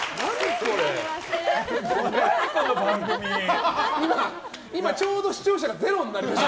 今ので視聴者がゼロになりました。